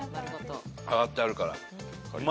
揚がってあるから。